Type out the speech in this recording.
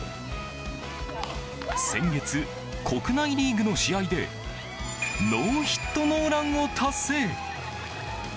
先月、国内リーグの試合でノーヒットノーランを達成。